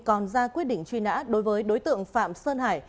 còn ra quyết định truy nã đối với đối tượng phạm sơn hải